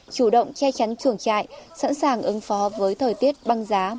chủ động che chắn chuồng trại sẵn sàng ứng phó với thời tiết băng giá